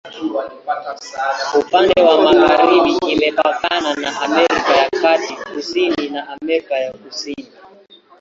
Upande wa magharibi imepakana na Amerika ya Kati, kusini na Amerika ya Kusini.